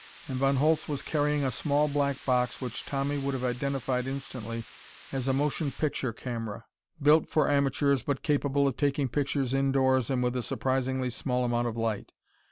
And Von Holtz was carrying a small black box which Tommy would have identified instantly as a motion picture camera, built for amateurs but capable of taking pictures indoors and with a surprisingly small amount of light.